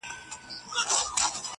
زړه طالب کړه د الفت په مدرسه کي,